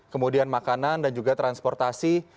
kemudian makanan dan juga transportasi